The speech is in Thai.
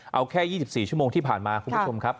เอาแค่๒๔ชั่วโมงที่ผ่านมาคุณผู้ชมครับ